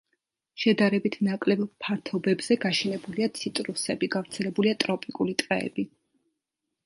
შედარებით ნაკლებ ფართობებზე გაშენებულია ციტრუსები, გავრცელებულია ტროპიკული ტყეები.